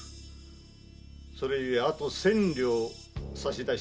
それゆえあと千両差し出していただく。